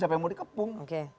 siapa yang mau dikepung